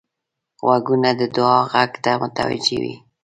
غوږونه د دعا غږ ته متوجه وي